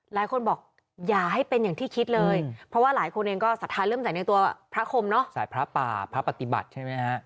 หลายคนบอกอย่าให้เป็นอย่างที่คิดเลยเพราะว่าหลายคนเองก็สัทธาเริ่มใส่ในตัวพระคมเนอะสายพระป่าพระปฏิบัติใช่ไหมฮะ